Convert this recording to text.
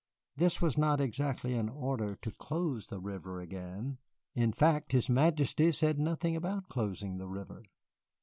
This was not exactly an order to close the River again in fact, his Majesty said nothing about closing the River.